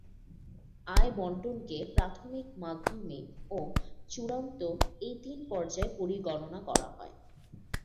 আয়বণ্টনকে প্রাথমিক, মাধ্যমিক ও চূড়ান্ত এ তিন পর্যায়ে পরিগণনা করা হয়।